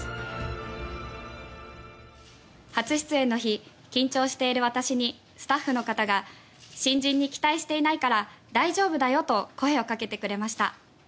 初出演の日緊張している私にスタッフの方が「新人に期待していないから大丈夫だよ」と声をかけてくれました。